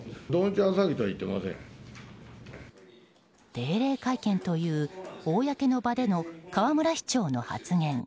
定例会見という公の場での河村市長の発言。